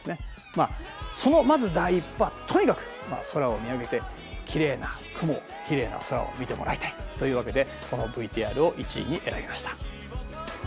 まあそのまず第一歩はとにかく空を見上げてきれいな雲をきれいな空を見てもらいたい。というわけでこのＶＴＲを１位に選びました。